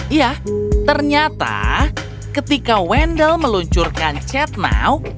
iya ternyata ketika wendel meluncurkan chat now